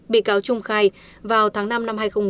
bị cáo trung khai vào tháng năm năm hai nghìn một mươi